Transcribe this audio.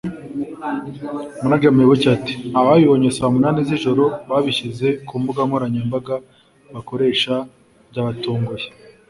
Manager Muyoboke ati ”Abayibonye saa munani z’ijoro babishyize ku mbuga nkoranyambaga bakoresha byabatunguye